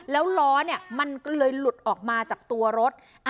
แล้วล้อมันก็เลยหลุดออกมาจากตัวรถ